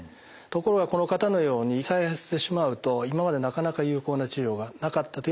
ところがこの方のように再発してしまうと今までなかなか有効な治療がなかったというのが現状です。